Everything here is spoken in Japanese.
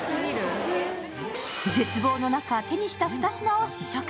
絶望の中、手にした２品を試食。